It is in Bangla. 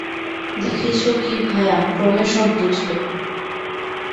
দেখছ কি ভায়া, ক্রমে সব বুঝবে।